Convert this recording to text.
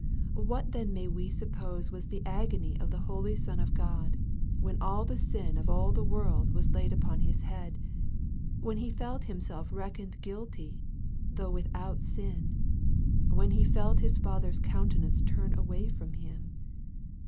What then MARK, CHAP. XV. 347 inay we suppose was the agony of the holy Son of God when all the sin of all the world was laid upon His head when He felt Himself reckoned guilty, though without sin when He felt His Father's countenance turned away from Him